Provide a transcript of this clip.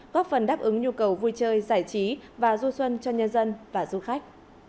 góp phần đáp ứng nhu cầu vui chơi giải trí và du xuân cho nhân dân và du khách